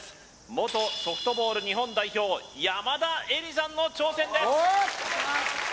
元ソフトボール日本代表山田恵里さんの挑戦です